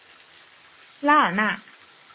拉尔纳。